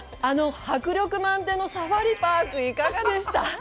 あの迫力満点のサファリパーク、いかがでした？